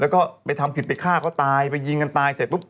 แล้วก็ไปทำผิดไปฆ่าเขาตายไปยิงกันตายเสร็จปุ๊บ